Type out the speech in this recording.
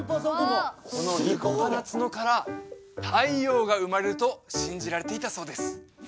この立派な角から太陽が生まれると信じられていたそうです